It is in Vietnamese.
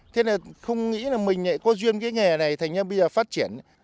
thế là không nghĩ là mình có duyên cái nghề này thành ra bây giờ phát triển